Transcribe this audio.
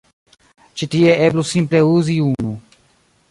Ĉi tie eblus simple uzi unu.